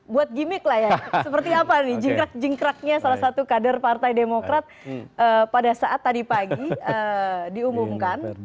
buat gimmick lah ya seperti apa nih jingkrak jingkraknya salah satu kader partai demokrat pada saat tadi pagi diumumkan